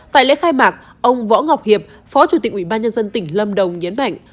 tại lễ khai mạc ông võ ngọc hiệp phó chủ tịch ubnd tỉnh lâm đồng nhấn mạnh